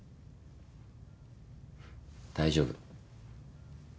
大丈夫。